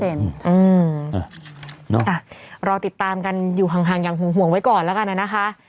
อืมอ่ารอติดตามกันอยู่ห่างอย่างห่วงไว้ก่อนละกันนะนะคะ